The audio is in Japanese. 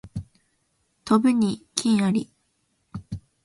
飛ぶに禽あり